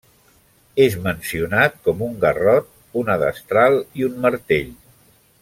És mencionat com un garrot, una destral i un martell.